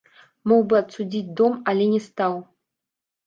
Мог бы адсудзіць дом, але не стаў.